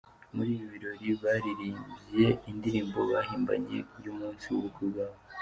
Muri ibi birori baririmbye indirimbo bahimbanye y’umunsi w’ubukwe bwabo.